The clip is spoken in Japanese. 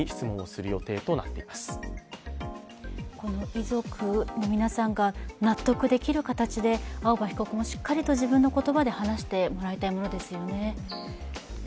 遺族の皆さんが納得できる形で青葉被告もしっかりと自分の言葉で話してもらいたいものですよね。